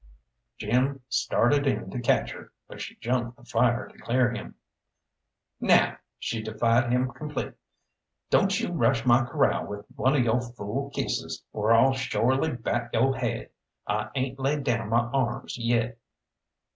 Jim started in to catch her, but she jumped the fire to clear him. "Now!" she deified him complete; "don't you rush my corral with one of yo' fool kisses, or I'll shorely bat yo' haid. I ain't laid down my arms yet!"